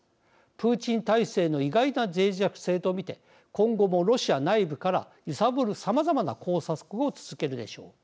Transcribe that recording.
プーチン体制の意外なぜい弱性と見て今後もロシア内部から揺さぶる、さまざまな工作を続けるでしょう。